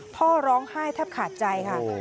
พ่อร้องไห้แทบขาดใจค่ะ